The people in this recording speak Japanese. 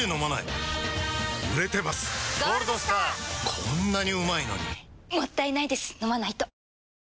こんなにうまいのにもったいないです、飲まないと。